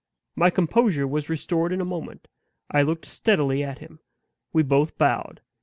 My composure was restored in a moment. I looked steadily at him. We both bowed.